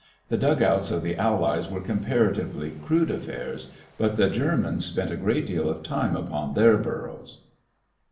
The dugouts of the Allies were comparatively crude affairs, but the Germans spent a great deal of time upon their burrows.